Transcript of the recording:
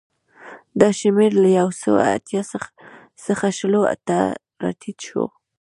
دا شمېر له یو سوه اتیا څخه شلو ته راټیټ شو